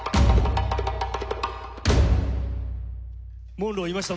モンローいました！